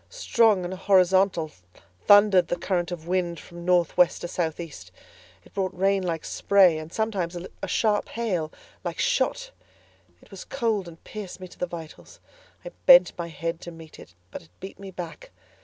Strong and horizontal thundered the current of the wind from north west to south east; it brought rain like spray, and sometimes a sharp hail, like shot: it was cold and pierced me to the vitals. I bent my head to meet it, but it beat me back.